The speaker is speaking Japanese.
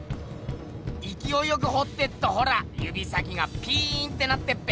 いきおいよくほってっとほらゆび先がピーンってなってっぺ。